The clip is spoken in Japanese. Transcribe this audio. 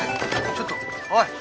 ちょっとおい！